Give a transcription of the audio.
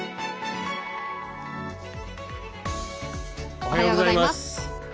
おはようございます。